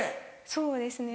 そうですね